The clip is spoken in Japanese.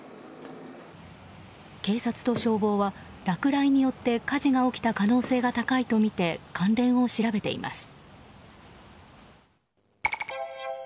警察と消防は落雷によって火事が起きた可能性が高いとみて関連を調べています。